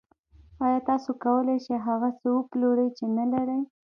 آیا تاسو کولی شئ هغه څه وپلورئ چې نلرئ